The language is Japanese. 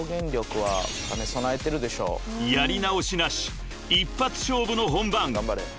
［やり直しなし一発勝負の本番］